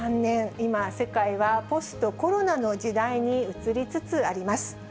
今、世界はポストコロナの時代に移りつつあります。